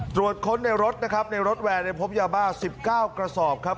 ตรวจค้นในรถนะครับในรถแวร์ในพบยาบ้า๑๙กระสอบครับ